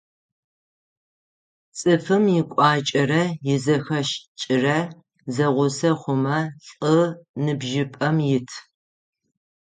Цӏыфым ыкӏуачӏэрэ изэхэшӏыкӏрэ зэгъусэ хъумэ лӏы ныбжьыпӏэм ит.